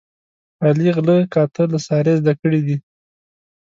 علي غله کاته له سارې زده کړي دي.